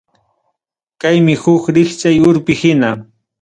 Kaymi huk rikchay urpi hina.